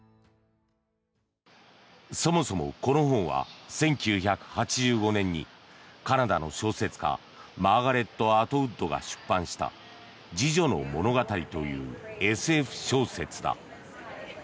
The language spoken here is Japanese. そもそもこの本は１９８５年にカナダの小説家マーガレット・アトウッドが出版した「侍女の物語」というＳＦ小説だ。